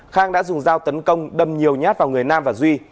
khang đã dùng dao tấn công đâm nhiều nhát vào người nam và duy